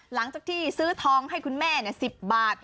หลังจากที่ซื้อทองให้คุณแม่๑๐บาท